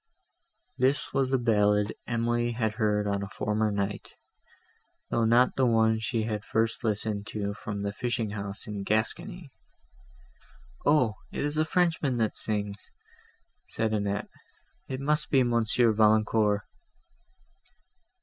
This was the ballad Emily had heard on a former night, though not the one she had first listened to from the fishing house in Gascony. "O! it is a Frenchman, that sings," said Annette: "it must be Monsieur Valancourt."